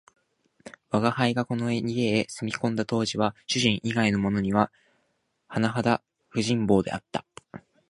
吾輩がこの家へ住み込んだ当時は、主人以外のものにははなはだ不人望であった